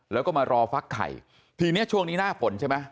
แล้วก็มารอฟักไข่ทีนี้ช่วงนี้หน้าฝนใช่ไหม